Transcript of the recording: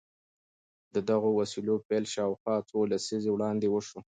د دغو وسيلو پيل شاوخوا څو لسيزې وړاندې وشو.